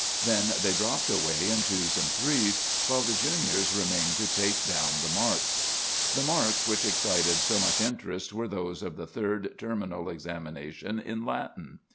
Then they dropped away in twos and threes, while the Juniors remained to take down the marks. "The marks which excited so much interest were those of the third terminal examination in Latin.